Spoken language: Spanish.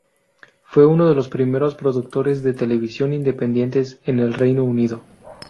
Fue uno de los primeros productores de televisión independientes en el Reino Unido.